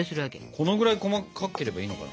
このぐらい細かければいいのかな？